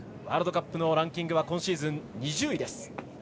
ワールドカップランキングは今シーズン２０位。